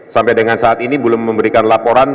sampai dengan saat ini belum memberikan laporan